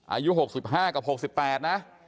อายุ๖๕กับ๖๘นะ